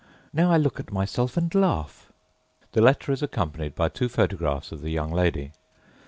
Now I look at myself and laugh.â The letter is accompanied by two photographs of the young lady.